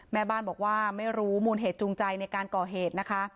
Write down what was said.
แม่บ้านบอกว่าไม่รู้มูลเหตุจูงใจในการก่อเหตุนะคะ